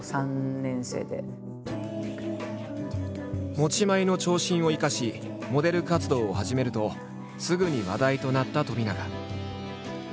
持ち前の長身を生かしモデル活動を始めるとすぐに話題となった冨永。